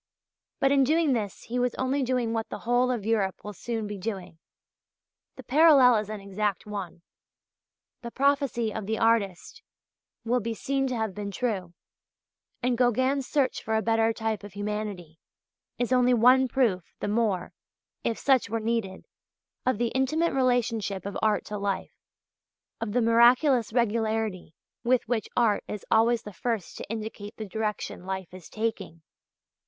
But in doing this he was only doing what the whole of Europe will soon be doing. The parallel is an exact one. The prophecy of the artist will be seen to have been true. And Gauguin's search for a better type of humanity is only one proof the more, if such were needed, of the intimate relationship of art to life, and of the miraculous regularity with which art is always the first to indicate the direction life is taking.